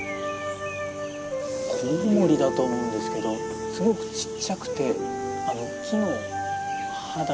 コウモリだと思うんですけどすごくちっちゃくて木の肌の色に。